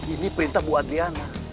ini perintah bu adriana